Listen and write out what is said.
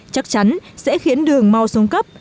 chắc chắn sẽ khiến đường mau xuống cấp